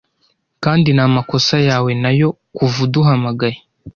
kandi ni amakosa yawe nayo kuva uduhamagaye